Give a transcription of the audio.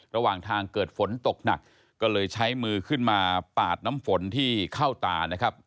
ระหว่างทางเกิดฝนตกหนักก็เลยใช้มือขึ้นมาปาดน้ำฝนที่เข้าตานะครับ